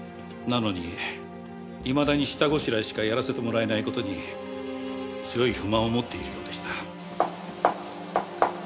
なのにいまだに下ごしらえしかやらせてもらえない事に強い不満を持っているようでした。